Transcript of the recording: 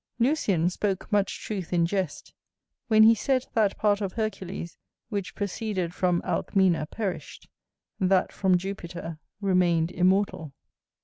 Lucian spoke much truth in jest, when he said that part of Hercules which proceeded from Alcmena perished, that from Jupiter remained immortal.